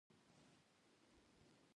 افغانستان د چرګانو د تولید له امله شهرت لري.